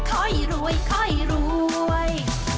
ค่อยรวยค่อยรวย